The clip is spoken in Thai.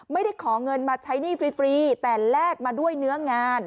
ไม่ได้ขอเงินมาใช้หนี้ฟรีแต่แลกมาด้วยเนื้องาน